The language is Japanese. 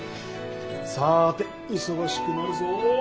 さて忙しくなるぞ。